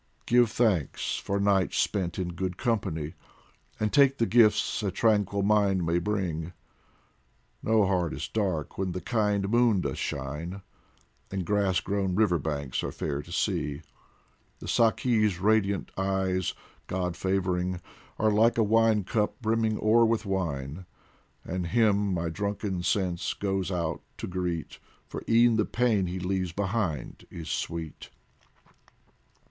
Give thanks for nights spent in good company, And take the gifts a tranquil mind may bring ; No heart is dark when the kind moon doth shine, And grass grown river banks are fair to see. The Saki's radiant eyes, God favouring, Are like a wine cup brimming o'er with wine, And him my drunken sense goes out to greet, For e'en the pain he leaves behind is sweet.